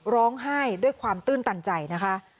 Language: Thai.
ร้องไห้ด้วยความตื้นตันใจนะคะ